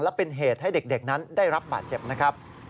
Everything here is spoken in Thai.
และเป็นเหตุให้เด็กนั้นได้รับบาดเจ็บนะครับ